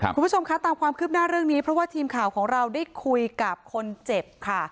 คุณผู้ชมคะตามความคืบหน้าเรื่องนี้เพราะว่าทีมข่าวของเราได้คุยกับคนเจ็บค่ะ